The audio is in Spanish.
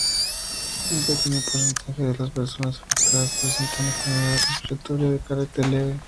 Un pequeño porcentaje de las personas afectadas presentan enfermedad respiratoria de carácter leve.